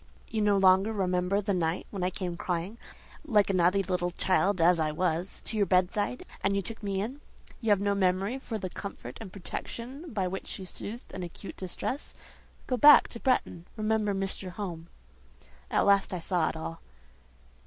You no longer remember the night when I came crying, like a naughty little child as I was, to your bedside, and you took me in. You have no memory for the comfort and protection by which you soothed an acute distress? Go back to Bretton. Remember Mr. Home." At last I saw it all.